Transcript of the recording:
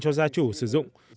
cho gia chủ sử dụng